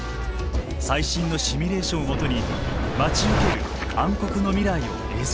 最新のシミュレーションを基に待ち受ける暗黒の未来を映像化。